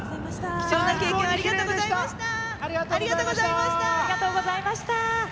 貴重な経験ありがとうございました。